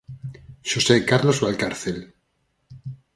Xosé Carlos Valcárcel.